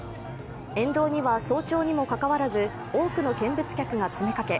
沿道には早朝にもかかわらず多くの見物客が詰めかけ